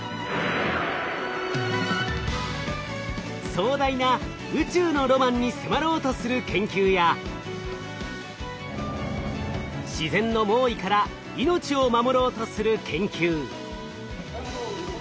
壮大な宇宙のロマンに迫ろうとする研究や自然の猛威から命を守ろうとする研究。